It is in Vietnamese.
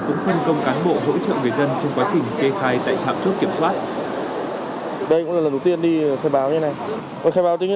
cũng phân công cán bộ hỗ trợ người dân